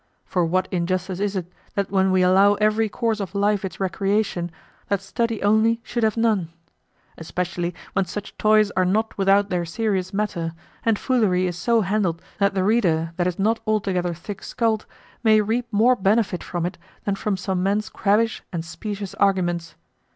For what injustice is it that when we allow every course of life its recreation, that study only should have none? Especially when such toys are not without their serious matter, and foolery is so handled that the reader that is not altogether thick skulled may reap more benefit from it than from some men's crabbish and specious arguments.